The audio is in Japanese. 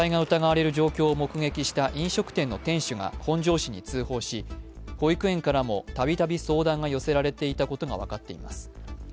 虐待が疑われる状況を目撃した飲食店の店主が本庄市に通報し、保育園からもたびたび相談が寄せられていたことが分かっています。